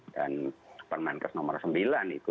dan permainan kes nomor sembilan itu